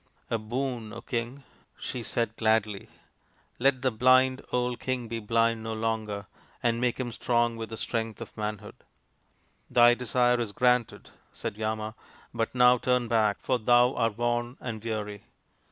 " A boon, King," she said gladly ;" let the blind old king be blind no longer, and make him strong with the strength of manhood." THE GENTLE CONQUEROR 65 " Thy desire is granted," said Yama ;" but now turn back, for thou art worn and weary."